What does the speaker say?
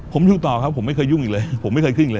ผมอยู่ต่อครับผมไม่เคยยุ่งอีกเลยผมไม่เคยขึ้นอีกเลย